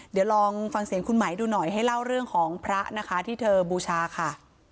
เดี๋ยวลองฟังเสียงคุณไหมดูหน่อยให้เล่าเรื่องของพระนะคะที่เธอบูชาค่ะ